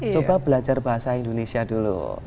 coba belajar bahasa indonesia dulu